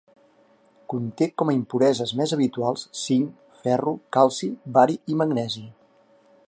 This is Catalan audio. Conté com a impureses més habituals zinc, ferro, calci, bari i magnesi.